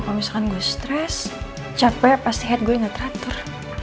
kalo misalkan gue stress capek pasti head gue nggak teratur